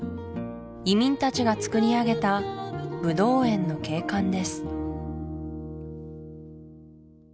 移民たちがつくり上げたブドウ園の景観です